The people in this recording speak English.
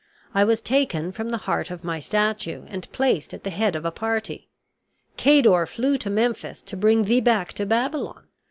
I was taken from the heart of my statue and placed at the head of a party. Cador flew to Memphis to bring thee back to Babylon.